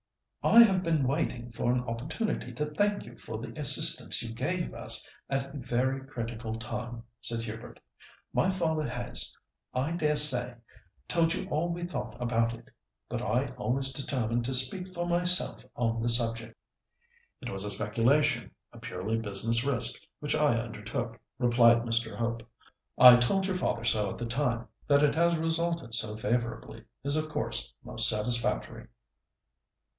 "I have been waiting for an opportunity to thank you for the assistance you gave us at a very critical time," said Hubert. "My father has, I daresay, told you all we thought about it. But I always determined to speak for myself on the subject." "It was a speculation, a purely business risk, which I undertook," replied Mr. Hope. "I told your father so at the time. That it has resulted so favourably, is of course, most satisfactory."